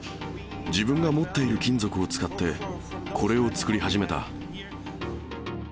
自分が持っている金属を使って、これを作り始めた。